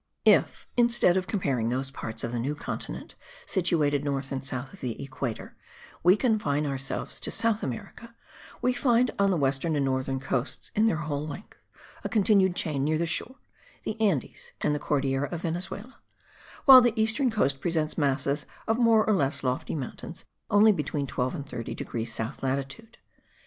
If, instead of comparing those parts of the new continent situated north and south of the equator, we confine ourselves to South America, we find on the western and northern coasts in their whole length, a continued chain near the shore (the Andes and the Cordillera of Venezuela), while the eastern coast presents masses of more or less lofty mountains only between the 12 and 30 degrees south latitude.